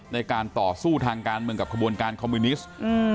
ในการต่อสู้ทางการเมืองกับขบวนการคอมมิวนิสต์